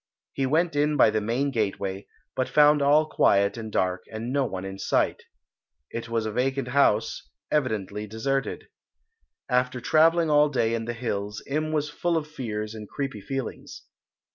He went in by the main gateway, but found all quiet and dark and no one in sight. It was a vacant house, evidently deserted. After travelling all day in the hills Im was full of fears and creepy feelings.